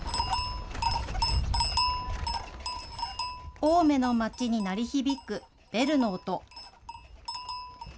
青梅の町に鳴り響くベルの音。